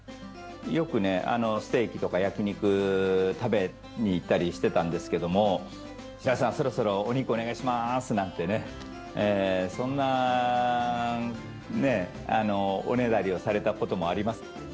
よくね、ステーキとか焼き肉食べに行ったりしてたんですけれども、白井さん、そろそろお肉、お願いしますなんてね、そんなおねだりをされたこともあります。